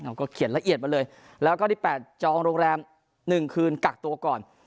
เอาก็เขียนละเอียดมาเลยแล้วก็ที่๘จองโรงแรม๑คืนกักตัวก่อน